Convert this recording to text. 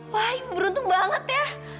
wah ini beruntung banget ya